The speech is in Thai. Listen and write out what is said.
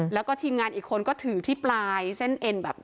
แล้วก็ทีมงานอีกคนก็ถือที่ปลายเส้นเอ็นแบบ